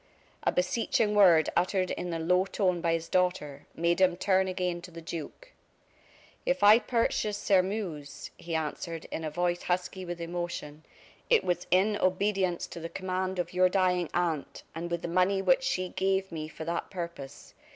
A beseeching word uttered in a low tone by his daughter, made him turn again to the duke. "If I purchased Sairmeuse," he answered, in a voice husky with emotion, "it was in obedience to the command of your dying aunt, and with the money which she gave me for that purpose.